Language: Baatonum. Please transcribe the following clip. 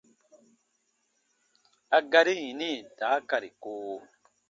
A gari yini daakari koowo :